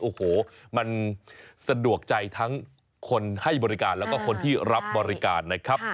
โอ้โหมันสะดวกใจทั้งคนให้บริการแล้วก็คนที่รับบริการนะครับ